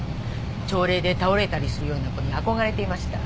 朝礼で倒れたりするような子に憧れていました。